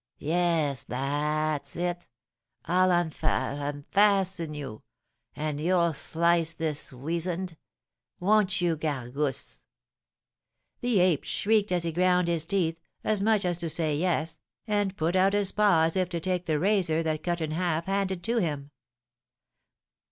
'Yes, that's it! I'll unfas unfasten you, and you'll slice his weasand won't you, Gargousse?' The ape shrieked as he ground his teeth, as much as to say yes, and put out his paw as if to take the razor that Cut in Half handed to him.